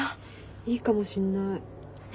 いいかもしんない。ね。